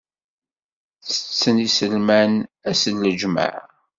Ttetten iselman ass n lǧemɛa.